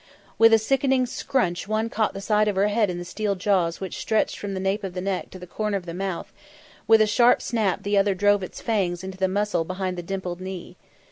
With a sickening scrunch one caught the side of her head in the steel jaws which stretched from the nape of the neck to the corner of the mouth; with a sharp snap the other drove its fangs into the muscle behind the dimpled knee.